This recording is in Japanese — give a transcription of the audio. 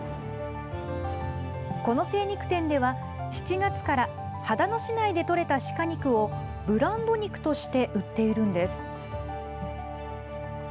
この精肉店では、７月から秦野市内で捕れたシカ肉をブランド肉として売っているんです。